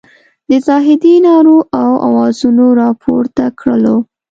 د زاهدي نارو او اوازونو راپورته کړلو.